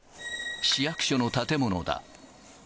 市役所の建物だ。